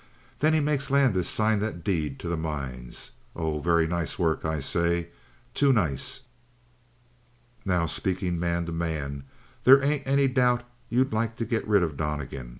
Then he makes Landis sign that deed to the mines. Oh, very nice work, I say. Too nice. "'Now, speakin' man to man, they ain't any doubt that you'd like to get rid of Donnegan.